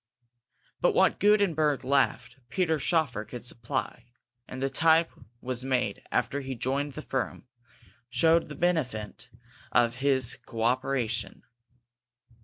But what Gutenberg lacked, Peter Schoeffer could supply, and the type which was made after he joined the firm, showed the benefit of his coöperation.